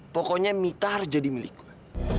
pokoknya mita harus jadi milik gue